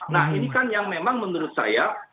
nah ini kan yang memang menurut saya